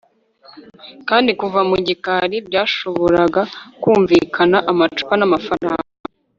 kandi kuva mu gikari byashoboraga kumvikana amacupa n'amafaranga